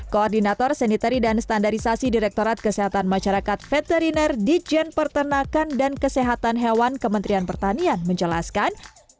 koordinator sanitary dan standarisasi direktorat kesehatan masyarakat veteriner dijen pertanakan dan kesehatan hewan kementerian pertanian menjelaskan